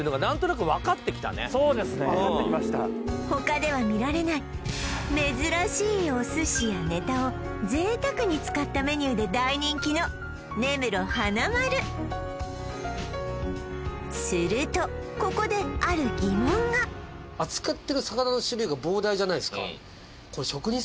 そうですね分かってきました他では見られない珍しいお寿司やネタを贅沢に使ったメニューで大人気の根室花まるするとここである疑問が扱ってる魚の種類が膨大じゃないですか